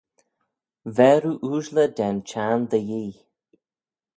Ver oo ooashley da'n çhiarn dty Yee.